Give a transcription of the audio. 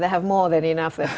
mereka memiliki lebih dari cukup